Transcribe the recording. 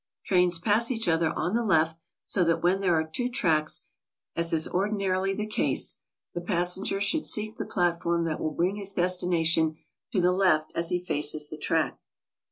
Trains pass each other on the left, so that where there are two tracks, as is ordinarily the case, the passenger should seek the platform that will bring his destination to the left as he faces the track.